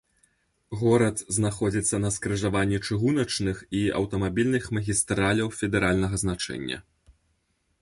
Горад знаходзіцца на скрыжаванні чыгуначных і аўтамабільных магістраляў федэральнага значэння.